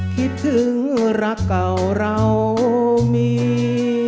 คิดถึงรักเก่าเรามี